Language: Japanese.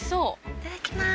いただきます。